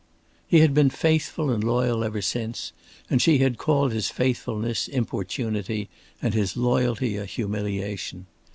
He had been faithful and loyal ever since, and she had called his faithfulness importunity and his loyalty a humiliation.